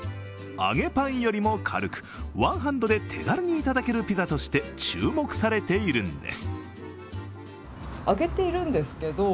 揚げパンよりも軽く、ワンハンドで手軽に頂けるピザとして注目されているんです。